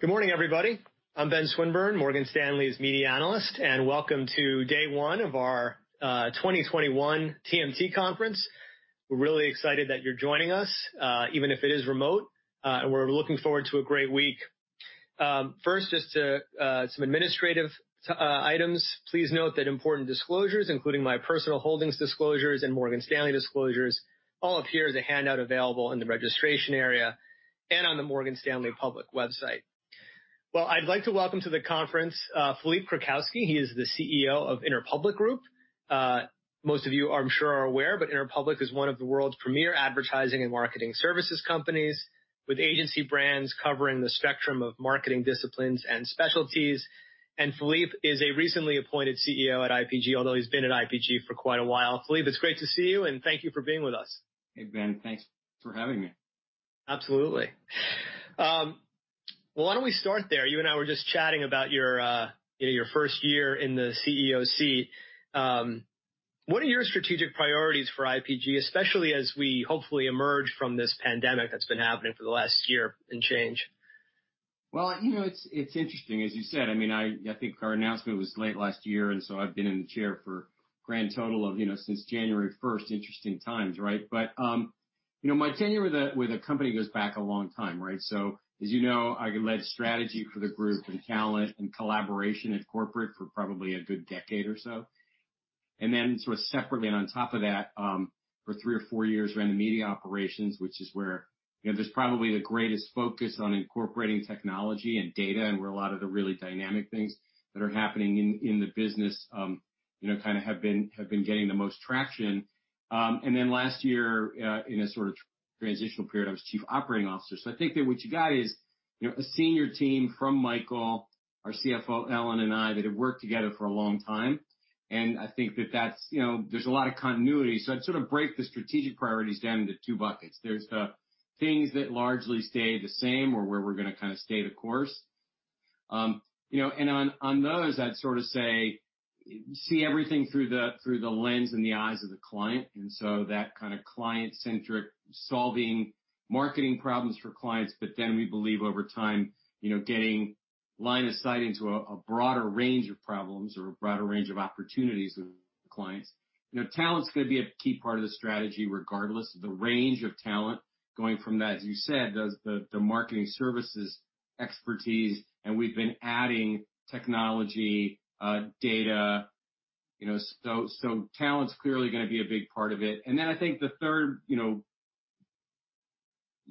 Good morning, everybody. I'm Ben Swinburne, Morgan Stanley's Media Analyst, and welcome to day one of our 2021 TMT Conference. We're really excited that you're joining us, even if it is remote, and we're looking forward to a great week. First, just some administrative items. Please note that important disclosures, including my personal holdings disclosures and Morgan Stanley disclosures, all appear as a handout available in the registration area and on the Morgan Stanley public website. Well, I'd like to welcome to the conference Philippe Krakowsky. He is the CEO of Interpublic Group. Most of you, I'm sure, are aware, but Interpublic is one of the world's premier advertising and marketing services companies, with agency brands covering the spectrum of marketing disciplines and specialties. And Philippe is a recently appointed CEO at IPG, although he's been at IPG for quite a while. Philippe, it's great to see you, and thank you for being with us. Hey, Ben, thanks for having me. Absolutely. Well, why don't we start there? You and I were just chatting about your first year in the CEO. What are your strategic priorities for IPG, especially as we hopefully emerge from this pandemic that's been happening for the last year and change? You know, it's interesting, as you said. I mean, I think our announcement was late last year, and so I've been in the chair for grand total of, you know, since January 1st, interesting times, right? But, you know, my tenure with a company goes back a long time, right? So, as you know, I led strategy for the group and talent and collaboration at corporate for probably a good decade or so. And then sort of separately, and on top of that, for three or four years, ran the media operations, which is where, you know, there's probably the greatest focus on incorporating technology and data, and where a lot of the really dynamic things that are happening in the business, you know, kind of have been getting the most traction. And then last year, in a sort of transitional period, I was Chief Operating Officer. So I think that what you got is, you know, a senior team from Michael, our CFO Ellen, and I that have worked together for a long time. And I think that that's, you know, there's a lot of continuity. So I'd sort of break the strategic priorities down into two buckets. There's the things that largely stay the same or where we're going to kind of stay the course. You know, and on those, I'd sort of say, see everything through the lens and the eyes of the client. And so that kind of client-centric solving marketing problems for clients, but then we believe over time, you know, getting line of sight into a broader range of problems or a broader range of opportunities with clients. You know, talent's going to be a key part of the strategy, regardless of the range of talent, going from that, as you said, the marketing services expertise, and we've been adding technology, data, you know, so talent's clearly going to be a big part of it. And then I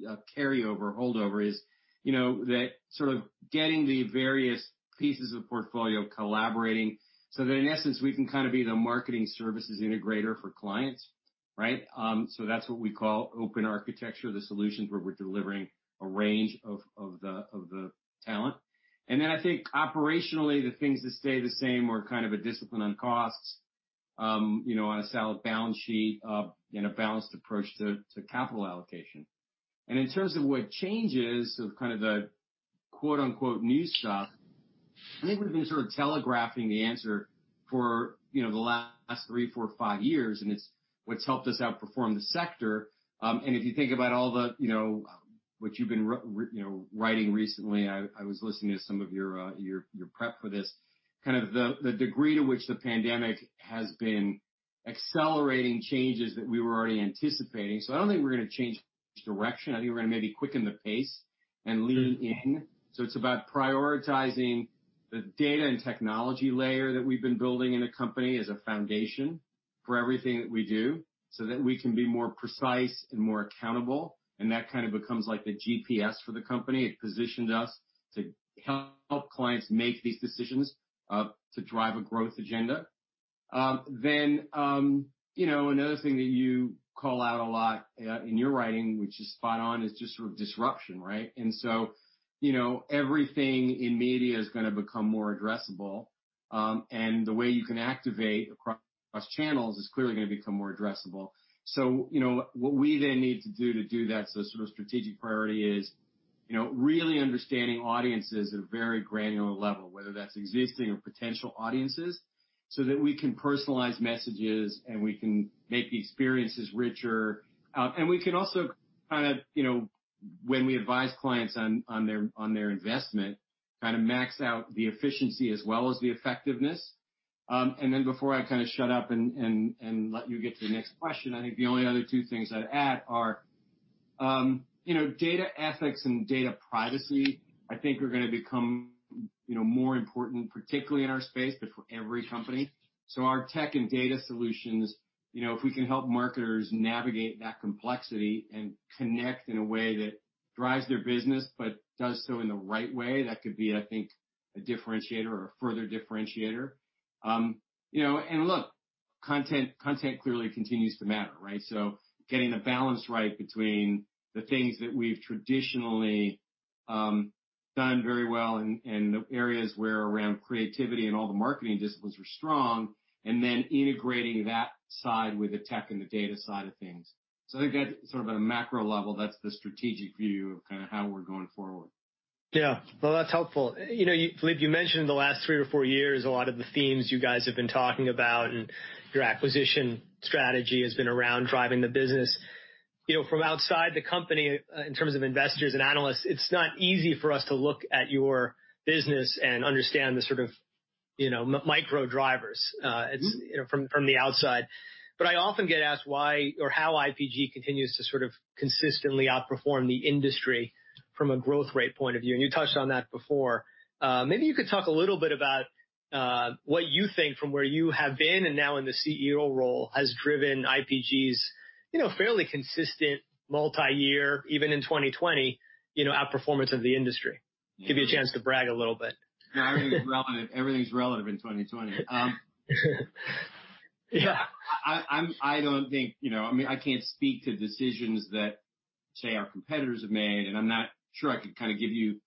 think the third, you know, carryover holdover is, you know, that sort of getting the various pieces of the portfolio collaborating so that, in essence, we can kind of be the marketing services integrator for clients, right? So that's what we call open architecture, the solutions where we're delivering a range of the talent. And then I think operationally, the things that stay the same are kind of a discipline on costs, you know, on a solid balance sheet and a balanced approach to capital allocation. And in terms of what changes of kind of the quote-unquote new stuff, I think we've been sort of telegraphing the answer for, you know, the last three, four, five years, and it's what's helped us outperform the sector. And if you think about all the, you know, what you've been, you know, writing recently, I was listening to some of your prep for this, kind of the degree to which the pandemic has been accelerating changes that we were already anticipating. So I don't think we're going to change direction. I think we're going to maybe quicken the pace and lean in. So it's about prioritizing the data and technology layer that we've been building in the company as a foundation for everything that we do so that we can be more precise and more accountable. And that kind of becomes like the GPS for the company. It positions us to help clients make these decisions to drive a growth agenda, then, you know, another thing that you call out a lot in your writing, which is spot on, is just sort of disruption, right? and so, you know, everything in media is going to become more addressable, and the way you can activate across channels is clearly going to become more addressable, so, you know, what we then need to do that, so sort of strategic priority is, you know, really understanding audiences at a very granular level, whether that's existing or potential audiences, so that we can personalize messages and we can make the experiences richer, and we can also kind of, you know, when we advise clients on their investment, kind of max out the efficiency as well as the effectiveness. And then before I kind of shut up and let you get to the next question, I think the only other two things I'd add are, you know, data ethics and data privacy. I think they are going to become, you know, more important, particularly in our space, but for every company. So our tech and data solutions, you know, if we can help marketers navigate that complexity and connect in a way that drives their business but does so in the right way, that could be, I think, a differentiator or a further differentiator. You know, and look, content clearly continues to matter, right? So getting the balance right between the things that we've traditionally done very well and the areas where around creativity and all the marketing disciplines were strong, and then integrating that side with the tech and the data side of things. I think that sort of on a macro level, that's the strategic view of kind of how we're going forward. Yeah, well, that's helpful. You know, Philippe, you mentioned in the last three or four years, a lot of the themes you guys have been talking about and your acquisition strategy has been around driving the business. You know, from outside the company, in terms of investors and analysts, it's not easy for us to look at your business and understand the sort of, you know, micro drivers from the outside, but I often get asked why or how IPG continues to sort of consistently outperform the industry from a growth rate point of view, and you touched on that before. Maybe you could talk a little bit about what you think from where you have been and now in the CEO role has driven IPG's, you know, fairly consistent multi-year, even in 2020, you know, outperformance of the industry. Give you a chance to brag a little bit. No, everything's relative in 2020. Yeah. I don't think, you know, I mean, I can't speak to decisions that, say, our competitors have made, and I'm not sure I could kind of give you,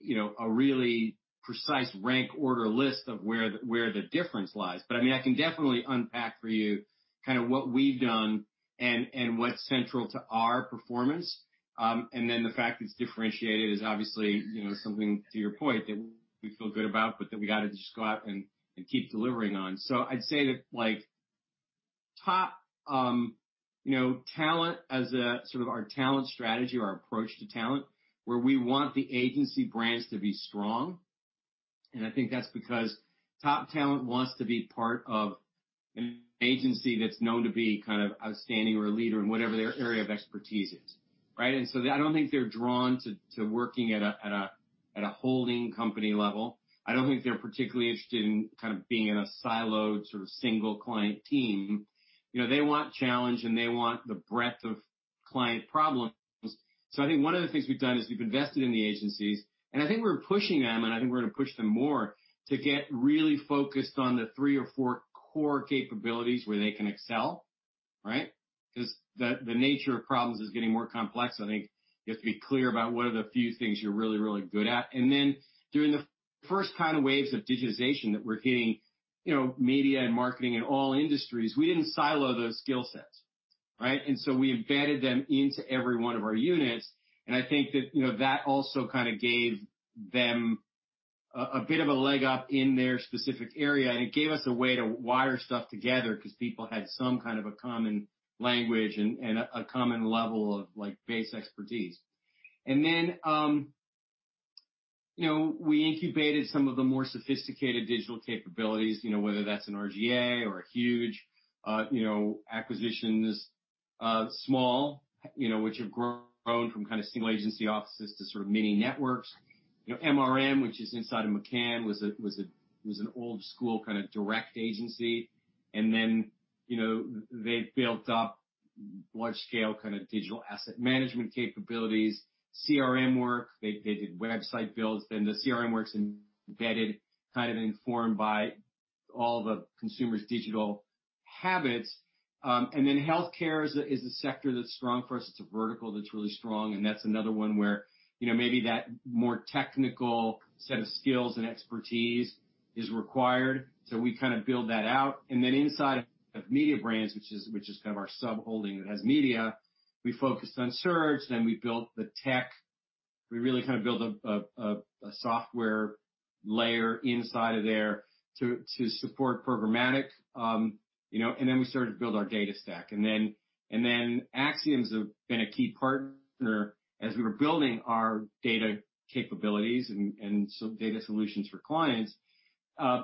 you know, a really precise rank order list of where the difference lies. But I mean, I can definitely unpack for you kind of what we've done and what's central to our performance. And then the fact it's differentiated is obviously, you know, something to your point that we feel good about, but that we got to just go out and keep delivering on. So I'd say that, like, top, you know, talent as a sort of our talent strategy or our approach to talent, where we want the agency brands to be strong. And I think that's because top talent wants to be part of an agency that's known to be kind of outstanding or a leader in whatever their area of expertise is, right? And so I don't think they're drawn to working at a holding company level. I don't think they're particularly interested in kind of being in a siloed sort of single client team. You know, they want challenge and they want the breadth of client problems. So I think one of the things we've done is we've invested in the agencies, and I think we're pushing them, and I think we're going to push them more to get really focused on the three or four core capabilities where they can excel, right? Because the nature of problems is getting more complex. I think you have to be clear about what are the few things you're really, really good at. And then during the first kind of waves of digitization that we're hitting, you know, media and marketing and all industries, we didn't silo those skill sets, right? And so we embedded them into every one of our units. And I think that, you know, that also kind of gave them a bit of a leg up in their specific area, and it gave us a way to wire stuff together because people had some kind of a common language and a common level of, like, base expertise. And then, you know, we incubated some of the more sophisticated digital capabilities, you know, whether that's an R/GA or a Huge, you know, acquisitions, small, you know, which have grown from kind of single agency offices to sort of mini networks. You know, MRM, which is inside of McCann, was an old school kind of direct agency. And then, you know, they built up large-scale kind of digital asset management capabilities, CRM work. They did website builds. Then the CRM work's embedded, kind of informed by all the consumers' digital habits. And then healthcare is a sector that's strong for us. It's a vertical that's really strong. And that's another one where, you know, maybe that more technical set of skills and expertise is required. So we kind of build that out. And then inside of Mediabrands, which is kind of our sub-holding that has media, we focused on search, then we built the tech. We really kind of built a software layer inside of there to support programmatic, you know, and then we started to build our data stack. And then Acxiom's been a key partner as we were building our data capabilities and some data solutions for clients.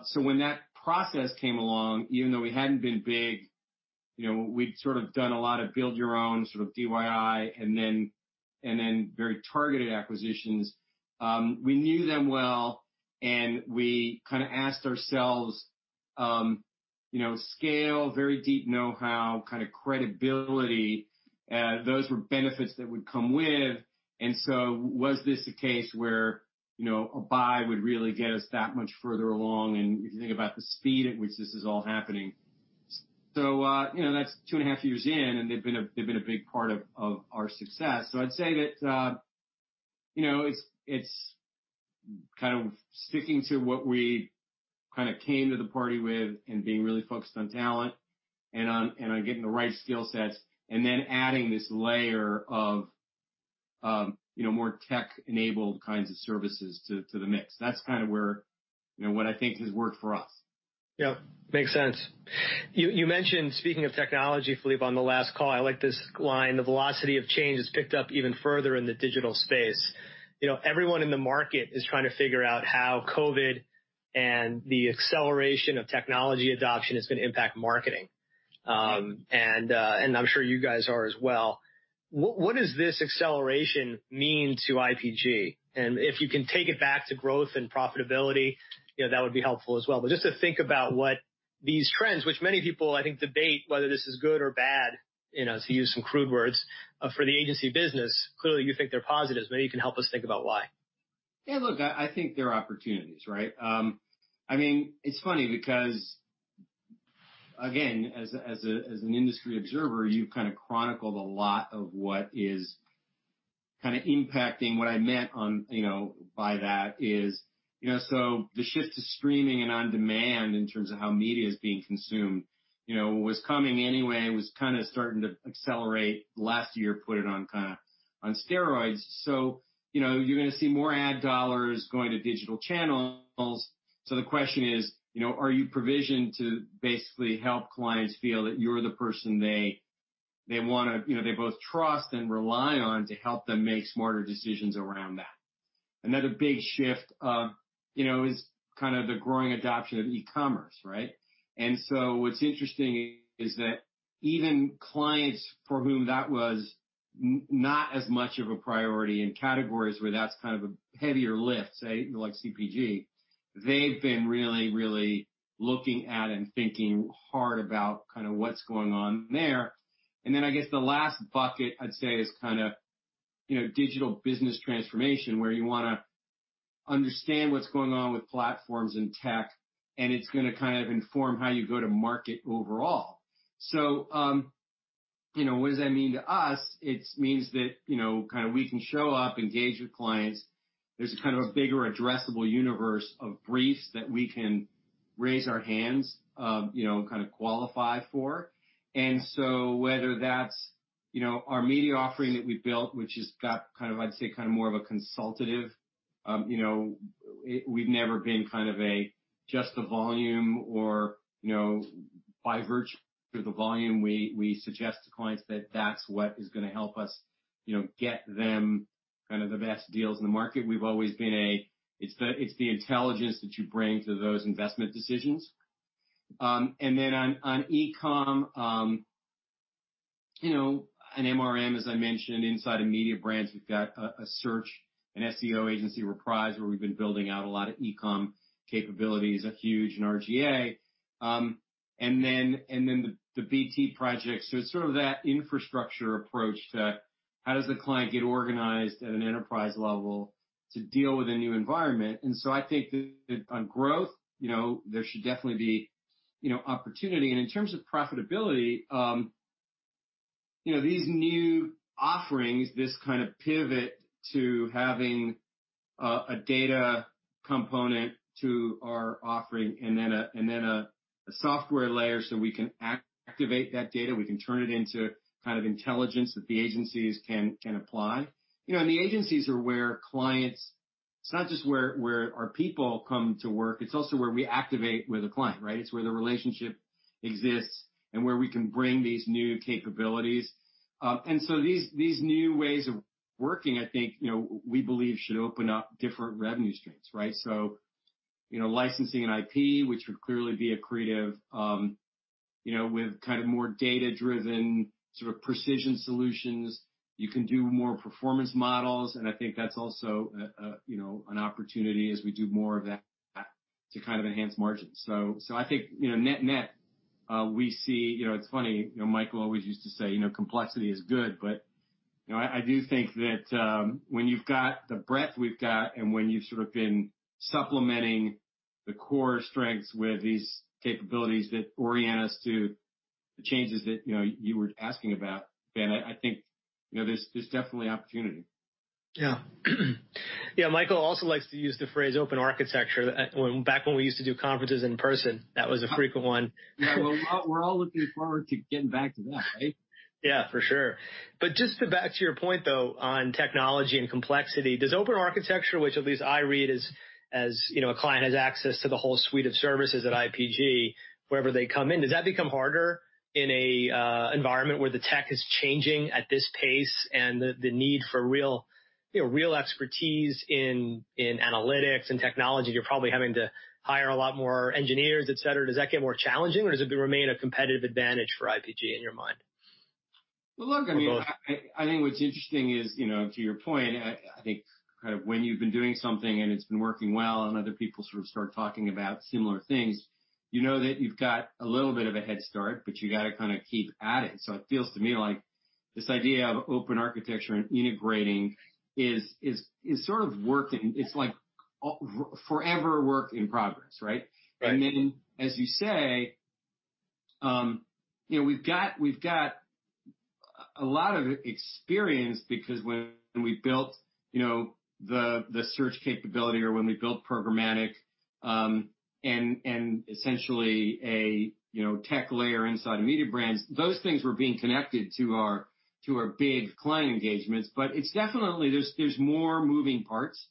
So, when that process came along, even though we hadn't been big, you know, we'd sort of done a lot of build your own sort of DIY and then very targeted acquisitions. We knew them well, and we kind of asked ourselves, you know, scale, very deep know-how, kind of credibility. Those were benefits that would come with. And so was this a case where, you know, a buy would really get us that much further along? And if you think about the speed at which this is all happening, so, you know, that's two and a half years in, and they've been a big part of our success. So I'd say that, you know, it's kind of sticking to what we kind of came to the party with and being really focused on talent and on getting the right skill sets, and then adding this layer of, you know, more tech-enabled kinds of services to the mix. That's kind of where, you know, what I think has worked for us. Yeah. Makes sense. You mentioned, speaking of technology, Philippe, on the last call. I like this line, the velocity of change has picked up even further in the digital space. You know, everyone in the market is trying to figure out how COVID and the acceleration of technology adoption is going to impact marketing. And I'm sure you guys are as well. What does this acceleration mean to IPG? And if you can take it back to growth and profitability, you know, that would be helpful as well. But just to think about what these trends, which many people, I think, debate whether this is good or bad, you know, to use some crude words, for the agency business. Clearly you think they're positives. Maybe you can help us think about why. Yeah, look, I think there are opportunities, right? I mean, it's funny because, again, as an industry observer, you've kind of chronicled a lot of what is kind of impacting what I meant on, you know, by that is, you know, so the shift to streaming and on demand in terms of how media is being consumed, you know, was coming anyway, was kind of starting to accelerate last year, put it kind of on steroids. So, you know, you're going to see more ad dollars going to digital channels. So the question is, you know, are you provisioned to basically help clients feel that you're the person they want to, you know, they both trust and rely on to help them make smarter decisions around that? Another big shift, you know, is kind of the growing adoption of e-commerce, right? And so what's interesting is that even clients for whom that was not as much of a priority and categories where that's kind of a heavier lift, say, like CPG, they've been really, really looking at and thinking hard about kind of what's going on there. And then I guess the last bucket I'd say is kind of, you know, digital business transformation where you want to understand what's going on with platforms and tech, and it's going to kind of inform how you go to market overall. So, you know, what does that mean to us? It means that, you know, kind of we can show up, engage with clients. There's a kind of a bigger addressable universe of briefs that we can raise our hands, you know, kind of qualify for. And so whether that's, you know, our media offering that we've built, which has got kind of, I'd say, kind of more of a consultative, you know, we've never been kind of a just the volume or, you know, by virtue of the volume, we suggest to clients that that's what is going to help us, you know, get them kind of the best deals in the market. We've always been a, it's the intelligence that you bring to those investment decisions. And then on e-com, you know, and MRM, as I mentioned, inside of Mediabrands, we've got a search and SEO agency Reprise where we've been building out a lot of e-com capabilities, and Huge in R/GA. And then the B2B projects, so it's sort of that infrastructure approach to how does the client get organized at an enterprise level to deal with a new environment. I think that on growth, you know, there should definitely be, you know, opportunity. In terms of profitability, you know, these new offerings, this kind of pivot to having a data component to our offering and then a software layer so we can activate that data, we can turn it into kind of intelligence that the agencies can apply. You know, the agencies are where clients, it's not just where our people come to work, it's also where we activate with a client, right? It's where the relationship exists and where we can bring these new capabilities. These new ways of working, I think, you know, we believe should open up different revenue streams, right? You know, licensing and IP, which would clearly be a creative, you know, with kind of more data-driven sort of precision solutions. You can do more performance models. I think that's also, you know, an opportunity as we do more of that to kind of enhance margins. So I think, you know, net net, we see, you know, it's funny, you know, Michael always used to say, you know, complexity is good, but, you know, I do think that when you've got the breadth we've got and when you've sort of been supplementing the core strengths with these capabilities that orient us to the changes that, you know, you were asking about, Ben, I think, you know, there's definitely opportunity. Yeah. Yeah, Michael also likes to use the phrase open architecture. Back when we used to do conferences in person, that was a frequent one. Yeah, we're all looking forward to getting back to that, right? Yeah, for sure. But just to back to your point though, on technology and complexity, does open architecture, which at least I read as, you know, a client has access to the whole suite of services at IPG, wherever they come in, does that become harder in an environment where the tech is changing at this pace and the need for real, you know, real expertise in analytics and technology, you're probably having to hire a lot more engineers, et cetera. Does that get more challenging or does it remain a competitive advantage for IPG in your mind? Look, I mean, I think what's interesting is, you know, to your point, I think kind of when you've been doing something and it's been working well and other people sort of start talking about similar things, you know that you've got a little bit of a head start, but you got to kind of keep adding. So it feels to me like this idea of open architecture and integrating is sort of working. It's like forever work in progress, right? And then, as you say, you know, we've got a lot of experience because when we built, you know, the search capability or when we built programmatic and essentially a, you know, tech layer inside of Mediabrands, those things were being connected to our big client engagements. But it's definitely. There's more moving parts.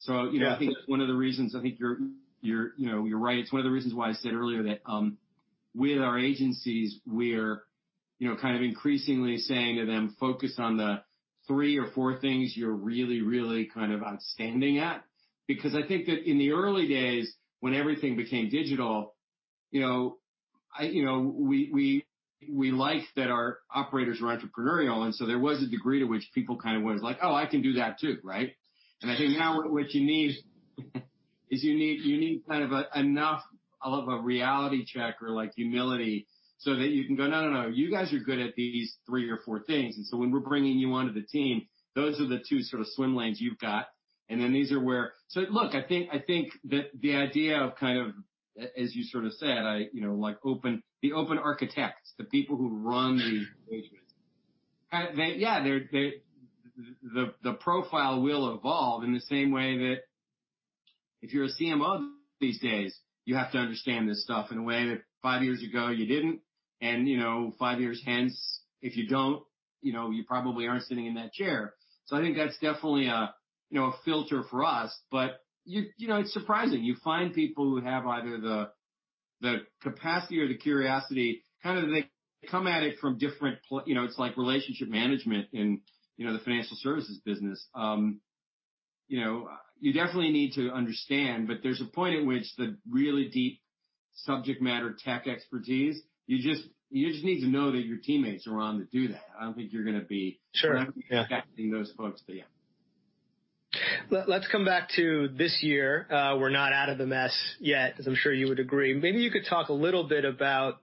So, you know, I think one of the reasons, I think you're, you know, you're right. It's one of the reasons why I said earlier that with our agencies, we're, you know, kind of increasingly saying to them, focus on the three or four things you're really, really kind of outstanding at. Because I think that in the early days, when everything became digital, you know, you know, we liked that our operators were entrepreneurial. And so there was a degree to which people kind of were like, oh, I can do that too, right? And I think now what you need is you need kind of enough of a reality check or like humility so that you can go, no, no, no, you guys are good at these three or four things. When we're bringing you onto the team, those are the two sort of swim lanes you've got. Then these are where, so look, I think that the idea of kind of, as you sort of said, you know, like open architecture, the people who run the engagements, yeah, the profile will evolve in the same way that if you're a CMO these days, you have to understand this stuff in a way that five years ago you didn't. You know, five years hence, if you don't, you know, you probably aren't sitting in that chair. I think that's definitely a, you know, a filter for us. But, you know, it's surprising. You find people who have either the capacity or the curiosity, kind of they come at it from different, you know, it's like relationship management in, you know, the financial services business. You know, you definitely need to understand, but there's a point at which the really deep subject matter tech expertise, you just need to know that your teammates are on to do that. I don't think you're going to be contacting those folks, but yeah. Let's come back to this year. We're not out of the mess yet, as I'm sure you would agree. Maybe you could talk a little bit about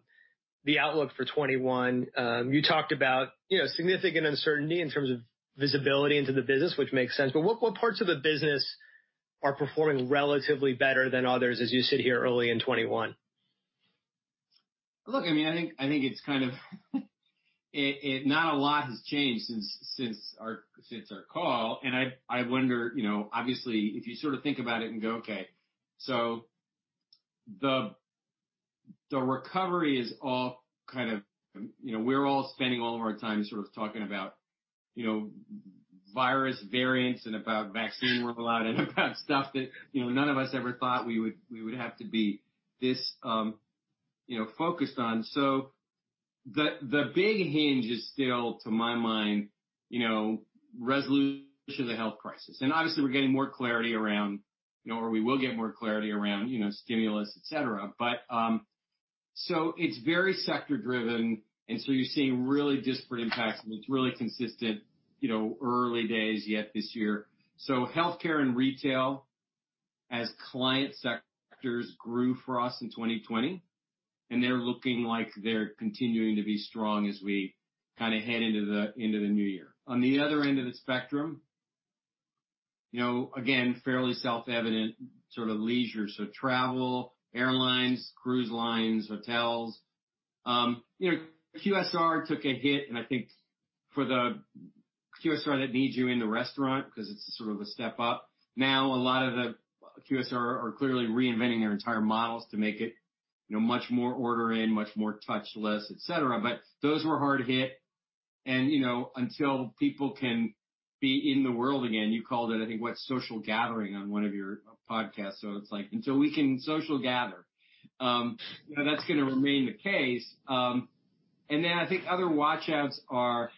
the outlook for 2021. You talked about, you know, significant uncertainty in terms of visibility into the business, which makes sense. But what parts of the business are performing relatively better than others as you sit here early in 2021? Look, I mean, I think it's kind of, not a lot has changed since our call. And I wonder, you know, obviously, if you sort of think about it and go, okay, so the recovery is all kind of, you know, we're all spending all of our time sort of talking about, you know, virus variants and about vaccine rollout and about stuff that, you know, none of us ever thought we would have to be this, you know, focused on. So the big hinge is still to my mind, you know, resolution of the health crisis. And obviously, we're getting more clarity around, you know, or we will get more clarity around, you know, stimulus, et cetera. But so it's very sector-driven. And so you're seeing really disparate impacts. It's really consistent, you know, early days yet this year. So healthcare and retail as client sectors grew for us in 2020. And they're looking like they're continuing to be strong as we kind of head into the new year. On the other end of the spectrum, you know, again, fairly self-evident sort of leisure. So travel, airlines, cruise lines, hotels. You know, QSR took a hit. And I think for the QSR that needs you in the restaurant, because it's sort of a step up. Now a lot of the QSR are clearly reinventing their entire models to make it, you know, much more order in, much more touchless, et cetera. But those were hard hit. And you know, until people can be in the world again, you called it, I think, what, social gathering on one of your podcasts. So it's like, until we can social gather, you know, that's going to remain the case. And then I think other watchouts are,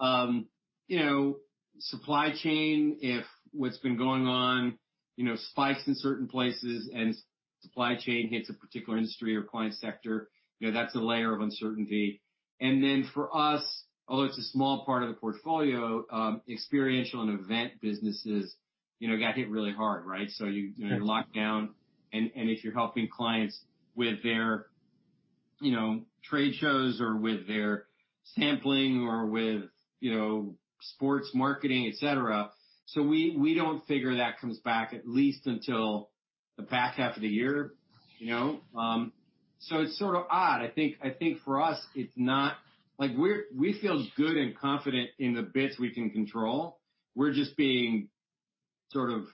you know, supply chain, if what's been going on, you know, spikes in certain places and supply chain hits a particular industry or client sector, you know, that's a layer of uncertainty. And then for us, although it's a small part of the portfolio, experiential and event businesses, you know, got hit really hard, right? So you're locked down. And if you're helping clients with their, you know, trade shows or with their sampling or with, you know, sports marketing, et cetera. So we don't figure that comes back at least until the back half of the year, you know? So it's sort of odd. I think for us, it's not like we feel good and confident in the bits we can control. We're just being sort of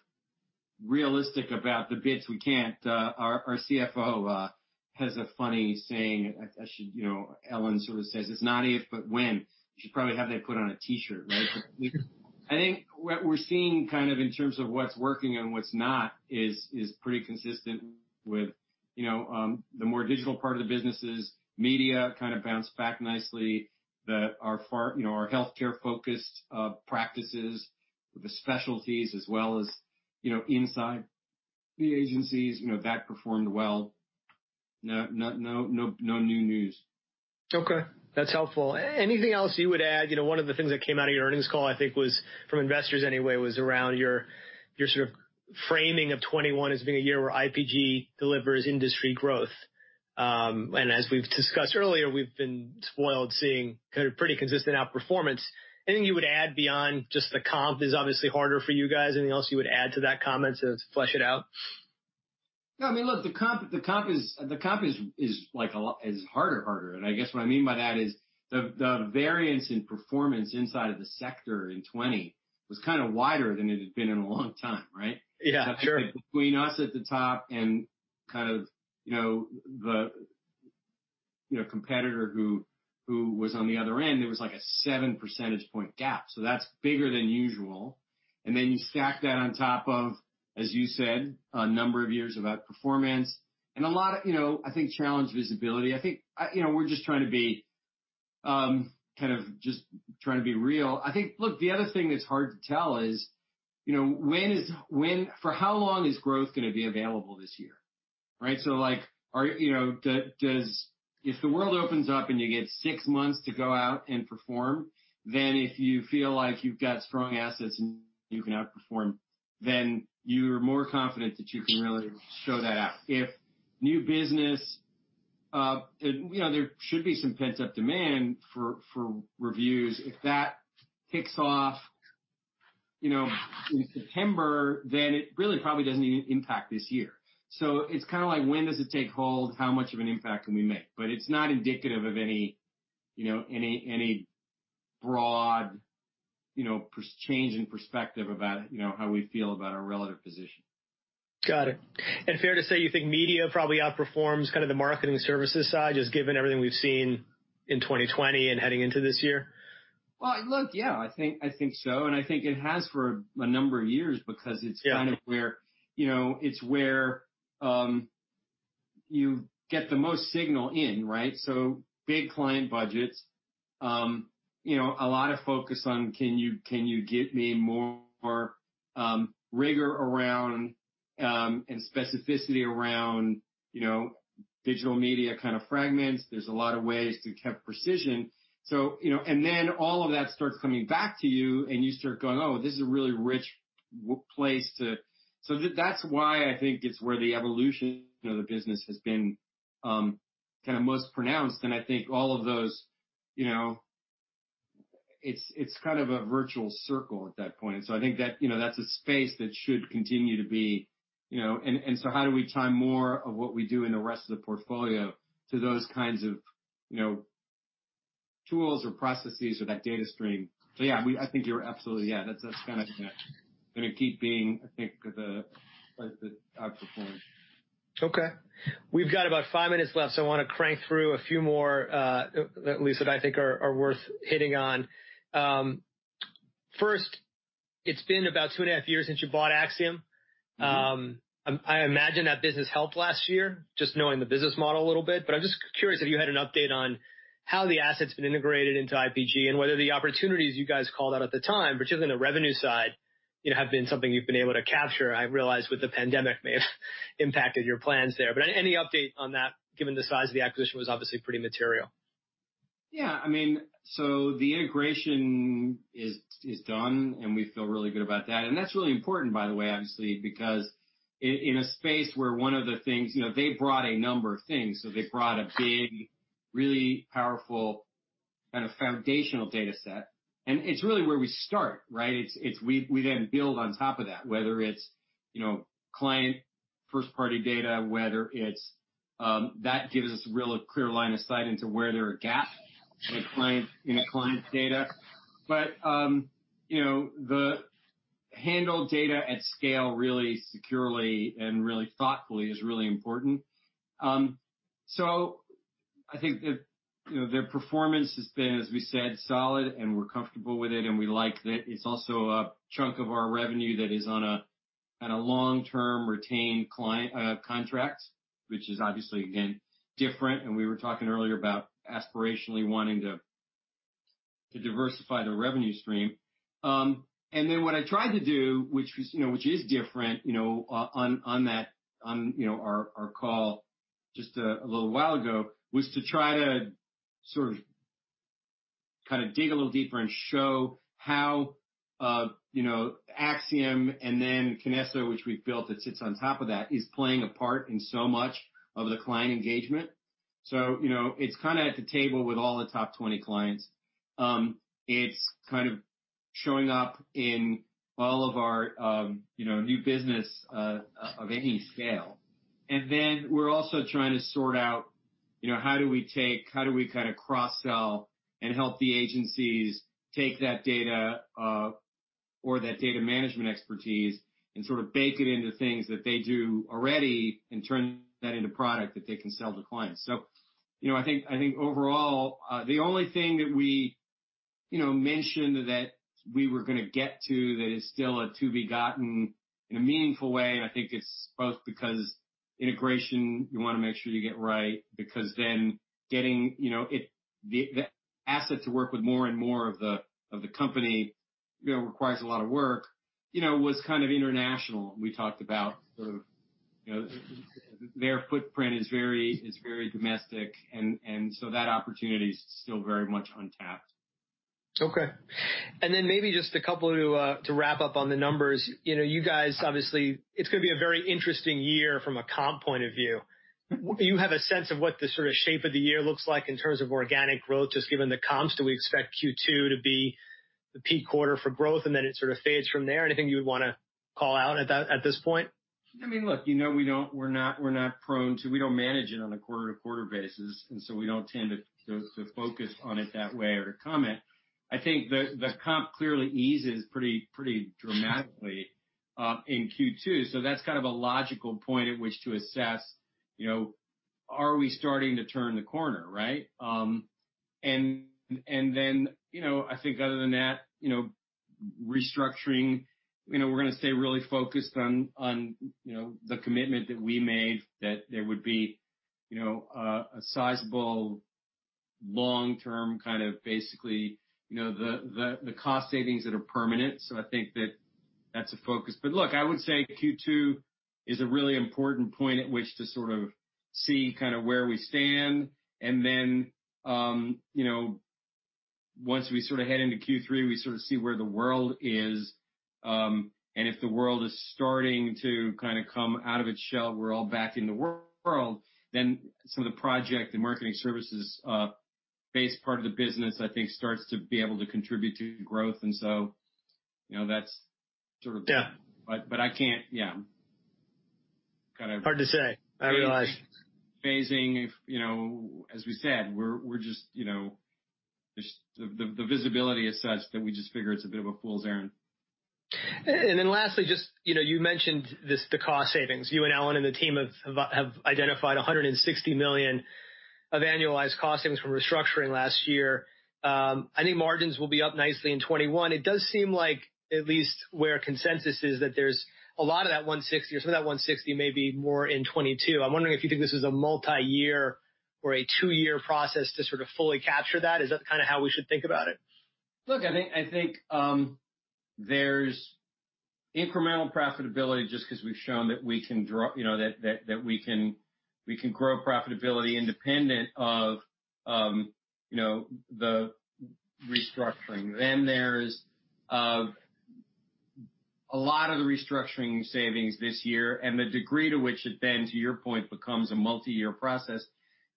realistic about the bits we can't. Our CFO has a funny saying. I should, you know, Ellen sort of says, it's not if, but when. You should probably have that put on a t-shirt, right? I think what we're seeing kind of in terms of what's working and what's not is pretty consistent with, you know, the more digital part of the businesses. Media kind of bounced back nicely. Our healthcare-focused practices with the specialties as well as, you know, inside the agencies, you know, that performed well. No new news. Okay. That's helpful. Anything else you would add? You know, one of the things that came out of your earnings call, I think was from investors anyway, was around your sort of framing of 2021 as being a year where IPG delivers industry growth. And as we've discussed earlier, we've been spoiled seeing kind of pretty consistent outperformance. Anything you would add beyond just the comp is obviously harder for you guys. Anything else you would add to that comment to flesh it out? No, I mean, look, the comp is like a lot harder, harder. And I guess what I mean by that is the variance in performance inside of the sector in 2020 was kind of wider than it had been in a long time, right? Yeah, sure. Between us at the top and kind of, you know, the competitor who was on the other end, there was like a seven percentage point gap, so that's bigger than usual and then you stack that on top of, as you said, a number of years of outperformance and a lot of, you know, I think challenge visibility. I think, you know, we're just trying to be kind of just trying to be real. I think, look, the other thing that's hard to tell is, you know, for how long is growth going to be available this year, right, so like, you know, if the world opens up and you get six months to go out and perform, then if you feel like you've got strong assets and you can outperform, then you are more confident that you can really show that out. If new business, you know, there should be some pent-up demand for reviews. If that kicks off, you know, in September, then it really probably doesn't even impact this year. So it's kind of like, when does it take hold? How much of an impact can we make? But it's not indicative of any, you know, any broad, you know, change in perspective about, you know, how we feel about our relative position. Got it. And fair to say you think media probably outperforms kind of the marketing services side, just given everything we've seen in 2020 and heading into this year? Look, yeah, I think so, and I think it has for a number of years because it's kind of where, you know, it's where you get the most signal in, right? So big client budgets, you know, a lot of focus on, can you get me more rigor around and specificity around, you know, digital media kind of fragments. There's a lot of ways to have precision. So, you know, and then all of that starts coming back to you and you start going, oh, this is a really rich place to. So that's why I think it's where the evolution of the business has been kind of most pronounced, and I think all of those, you know, it's kind of a virtuous circle at that point. And so I think that, you know, that's a space that should continue to be, you know, and so how do we time more of what we do in the rest of the portfolio to those kinds of, you know, tools or processes or that data stream? So yeah, I think you're absolutely, yeah, that's kind of going to keep being, I think, the outperform. Okay. We've got about five minutes left, so I want to crank through a few more, at least that I think are worth hitting on. First, it's been about two and a half years since you bought Acxiom. I imagine that business helped last year, just knowing the business model a little bit. But I'm just curious if you had an update on how the assets have been integrated into IPG and whether the opportunities you guys called out at the time, particularly on the revenue side, you know, have been something you've been able to capture. I realize with the pandemic may have impacted your plans there. But any update on that, given the size of the acquisition was obviously pretty material? Yeah. I mean, so the integration is done and we feel really good about that. And that's really important, by the way, obviously, because in a space where one of the things, you know, they brought a number of things. So they brought a big, really powerful kind of foundational data set. And it's really where we start, right? We then build on top of that, whether it's, you know, client first-party data, whether it's that gives us a real clear line of sight into where there are gaps in client data. But, you know, to handle data at scale really securely and really thoughtfully is really important. So I think that, you know, their performance has been, as we said, solid and we're comfortable with it. We like that it's also a chunk of our revenue that is on a kind of long-term retained client contract, which is obviously, again, different. We were talking earlier about aspirationally wanting to diversify the revenue stream. Then what I tried to do, which was, you know, which is different, you know, on that, you know, our call just a little while ago, was to try to sort of kind of dig a little deeper and show how, you know, Acxiom and then Kinesso, which we've built that sits on top of that, is playing a part in so much of the client engagement. You know, it's kind of at the table with all the top 20 clients. It's kind of showing up in all of our, you know, new business of any scale. We're also trying to sort out, you know, how do we take, how do we kind of cross-sell and help the agencies take that data or that data management expertise and sort of bake it into things that they do already and turn that into product that they can sell to clients. You know, I think overall, the only thing that we, you know, mentioned that we were going to get to that is still a to-be-gotten in a meaningful way. I think it's both because integration, you want to make sure you get right, because then getting, you know, the asset to work with more and more of the company, you know, requires a lot of work, you know, was kind of international. We talked about sort of, you know, their footprint is very domestic. That opportunity is still very much untapped. Okay. And then maybe just a couple to wrap up on the numbers. You know, you guys obviously, it's going to be a very interesting year from a comp point of view. You have a sense of what the sort of shape of the year looks like in terms of organic growth, just given the comps? Do we expect Q2 to be the peak quarter for growth and then it sort of fades from there? Anything you would want to call out at this point? I mean, look, you know, we're not prone to, we don't manage it on a quarter-to-quarter basis, and so we don't tend to focus on it that way or comment. I think the comp clearly eases pretty dramatically in Q2, so that's kind of a logical point at which to assess, you know, are we starting to turn the corner, right, and then, you know, I think other than that, you know, restructuring, you know, we're going to stay really focused on, you know, the commitment that we made that there would be, you know, a sizable long-term kind of basically, you know, the cost savings that are permanent, so I think that that's a focus, but look, I would say Q2 is a really important point at which to sort of see kind of where we stand. And then, you know, once we sort of head into Q3, we sort of see where the world is. And if the world is starting to kind of come out of its shell, we're all back in the world, then some of the project and marketing services-based part of the business, I think, starts to be able to contribute to growth. And so, you know, that's sort of. Yeah. But I can't, yeah, kind of. Hard to say. I realize. Phasing, you know, as we said, we're just, you know, the visibility is such that we just figure it's a bit of a fool's errand. And then lastly, just, you know, you mentioned the cost savings. You and Ellen and the team have identified $160 million of annualized cost savings from restructuring last year. I think margins will be up nicely in 2021. It does seem like, at least where consensus is, that there's a lot of that $160 million or some of that $160 million may be more in 2022. I'm wondering if you think this is a multi-year or a two-year process to sort of fully capture that. Is that kind of how we should think about it? Look, I think there's incremental profitability just because we've shown that we can, you know, that we can grow profitability independent of, you know, the restructuring. Then there's a lot of the restructuring savings this year and the degree to which it then, to your point, becomes a multi-year process,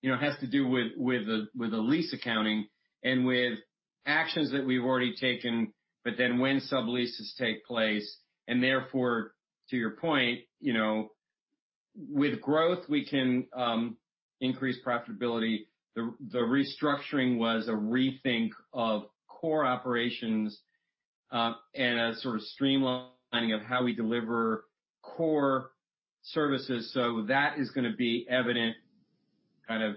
you know, has to do with the lease accounting and with actions that we've already taken, but then when sub-leases take place, and therefore, to your point, you know, with growth, we can increase profitability. The restructuring was a rethink of core operations and a sort of streamlining of how we deliver core services, so that is going to be evident kind of,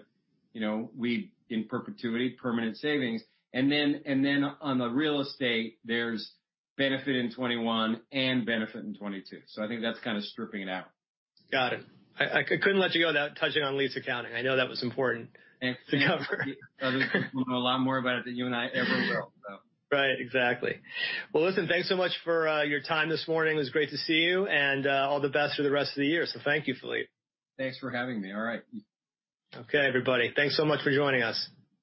you know, we in perpetuity, permanent savings, and then on the real estate, there's benefit in 2021 and benefit in 2022, so I think that's kind of stripping it out. Got it. I couldn't let you go without touching on lease accounting. I know that was important to cover. Other people know a lot more about it than you and I ever will. Right. Exactly. Well, listen, thanks so much for your time this morning. It was great to see you and all the best for the rest of the year. So thank you, Philippe. Thanks for having me. All right. Okay, everybody. Thanks so much for joining us.